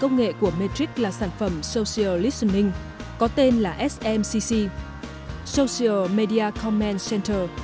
công nghệ của matrix là sản phẩm social listening có tên là smcc social media comment center